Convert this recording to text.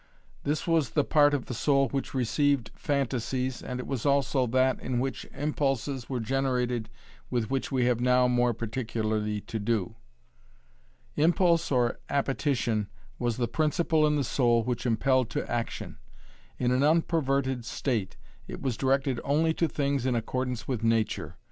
This was the part of the soul which received phantasies and it was also that in which impulses were generated with which we have now more particularly to do. Impulse or appetition was the principle in the soul which impelled to action. In an unperverted state it was directed only to things in accordance with nature.